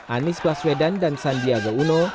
anies baswedan dan sandiaga uno